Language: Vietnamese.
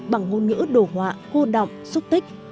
bằng ngôn ngữ đồ họa hô động xúc tích